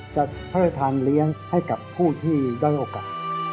จะพัฒนาทางเลี้ยงให้กับผู้ที่ได้โอกาส